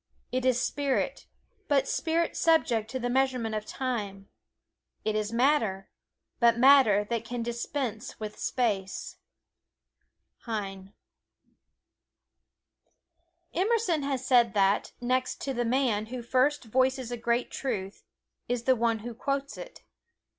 It is spirit, but spirit subject to the measurement of time; it is matter, but matter that can dispense with space. Heine JOHANNES BRAHMS Emerson has said that, next to the man who first voices a great truth, is the one who quotes it.